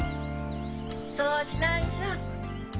そうしなんしょ。